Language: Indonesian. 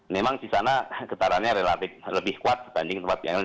memang di sana getarannya relatif lebih kuat dibanding tempat yang lain